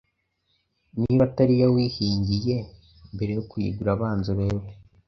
Niba atari iyo wihingiye, mbere yo kuyigura banza urebe